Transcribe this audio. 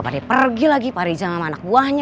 pake pergi lagi pak rija sama anak buahnya